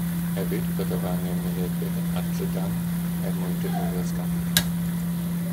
Hefyd byddaf angen mynediad at drydan er mwyn defnyddio'r sganiwr